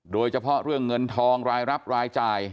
โดยเฉพาะเรื่องเงินทองรายรับรายจ่าย